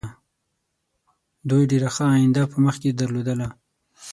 دوی ډېره ښه آینده په مخکې درلودله.